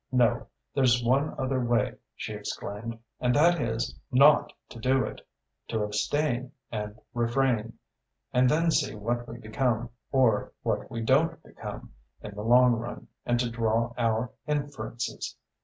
'No: there's one other way,' she exclaimed; 'and that is, not to do it! To abstain and refrain; and then see what we become, or what we don't become, in the long run, and to draw our inferences.